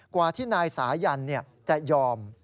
กว่าที่นายสายันจะยอม